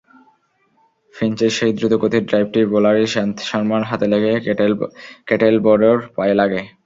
ফিঞ্চের সেই দ্রুতগতির ড্রাইভটি বোলার ইশান্ত শর্মার হাতে লেগে কেটেলবরোর পায়ে লাগে।